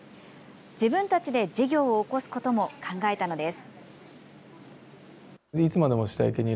自分たちで事業を興すことも考えたのです。